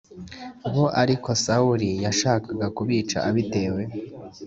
Bo ariko sawuli yashakaga kubica abitewe